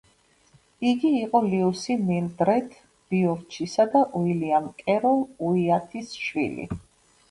იგი იყო ლიუსი მილდრედ ბიორჩისა და უილიამ კეროლ უაიათის შვილი.